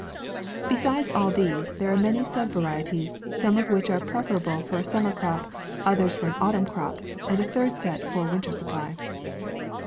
Besides all these, there are many sub vari eties, some of which are preferable for a summer crop, others for an autumn crop, and a third set for winter supply.